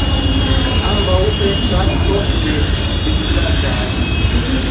Ambaŭ estas ofte vizitataj.